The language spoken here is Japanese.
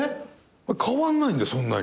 変わんないんだそんなに。